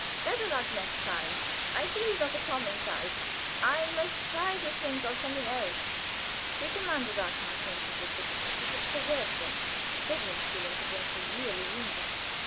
"Better luck next time. I see he's not a common child. I must try to think of something else." We commanded our countenances with difficulty, but preserved them. Sigmund's feelings had been severely wounded.